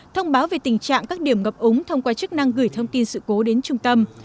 thông báo về tình trạng các điểm ngập ống thông qua chức năng gửi thông tin sự cố đến trung tâm